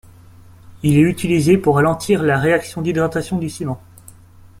Il est utilisé pour ralentir la réaction d’hydratation du ciment.